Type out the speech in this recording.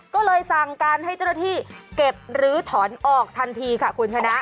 ก็เลยสั่งการให้เจ้าหน้าที่เก็บลื้อถอนออกทันทีค่ะคุณชนะ